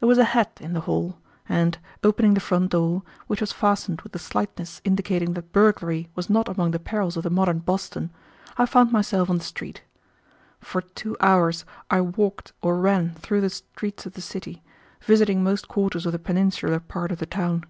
There was a hat in the hall, and, opening the front door, which was fastened with a slightness indicating that burglary was not among the perils of the modern Boston, I found myself on the street. For two hours I walked or ran through the streets of the city, visiting most quarters of the peninsular part of the town.